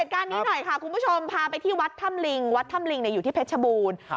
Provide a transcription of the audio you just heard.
การนี้หน่อยค่ะคุณผู้ชมพาไปที่วัดถ้ำลิงวัดถ้ำลิงอยู่ที่เพชรบูรณ์